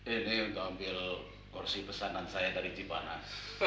ini gambil kursi pesanan saya dari cipanas